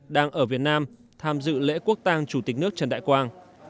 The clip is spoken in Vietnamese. đang ở việt nam tham dự lễ quốc tàng chủ tịch nước trần đại quang